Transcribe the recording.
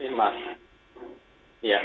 terima kasih mas